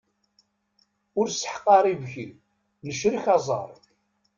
Ur sseḥqar ibki, necrek aẓar.